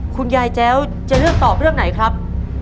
คุณยายแจ้วจะเลือกตอบเรื่องไหนครับ